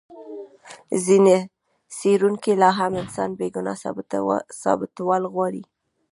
ځینې څېړونکي لا هم انسان بې ګناه ثابتول غواړي.